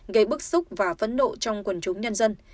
gây bức xúc và phẫn nộ trong quần chúng nhân dân